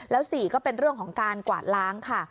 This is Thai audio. แล้ว๔ก็เป็นเรื่องของการกวาดล้างค่ะ